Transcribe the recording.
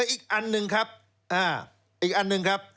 อีกอันหนึ่งครับอีกอันหนึ่งครับ